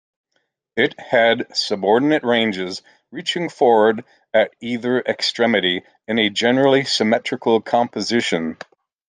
It had subordinate ranges reaching forward at either extremity in a generally symmetrical composition.